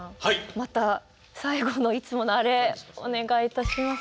また最後のいつものあれお願いいたします。